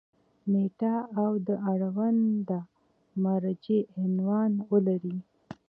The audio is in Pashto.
نیټه او د اړونده مرجع عنوان ولري.